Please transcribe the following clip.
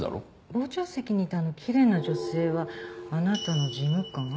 傍聴席にいたあのきれいな女性はあなたの事務官？